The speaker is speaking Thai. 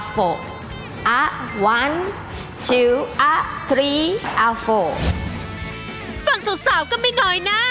ฝั่งสาวก็ไม่น้อยนะ